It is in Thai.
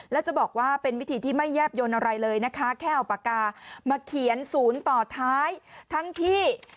แล้วจะบอกว่าเป็นวิธีที่ไม่แยบยนต์อะไรเลยนะคะแค่เอาปากกามาเขียนศูนย์ต่อท้ายทั้งที่